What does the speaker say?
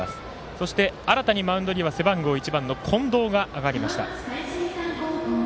そして、新たにマウンドには背番号１番の近藤が上がりました。